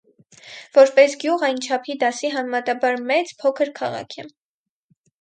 Որպես գյուղ, այն չափի դասի համեմատաբար մեծ, փոքր քաղաք է։